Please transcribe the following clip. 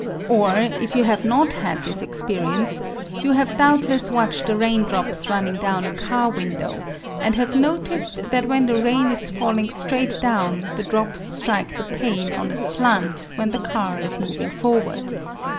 Or, if you have not had this experience, you have doubtless watched the raindrops running down a car window and have noticed that when the rain is falling straight down the drops strike the pane on a slant when the car is moving forward.